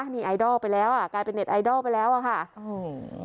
นี่ไอดอลไปแล้วอ่ะกลายเป็นเน็ตไอดอลไปแล้วอ่ะค่ะอืม